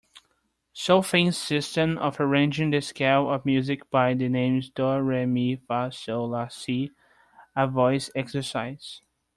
Solfaing system of arranging the scale of music by the names do, re, mi, fa, sol, la, si a voice exercise.